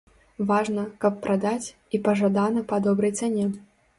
Важна, каб прадаць, і пажадана па добрай цане.